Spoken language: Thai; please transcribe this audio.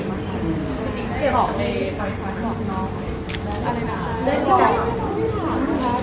แต่ถ้ามันก็ฉีกลับ